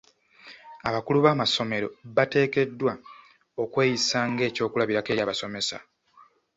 Abakulu b'amasomero bateekeddwa okweyisa ng'ekyokulabirako eri abasomesa.